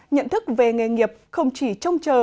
nhận thức về nghề nghiệp không chỉ trông chờ